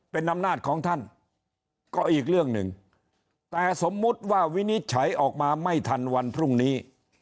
เป็นอำนาจของท่านก็อีกเรื่องหนึ่งแต่สมมุติว่าวินิจฉัยออกมาไม่ทันวันพรุ่งนี้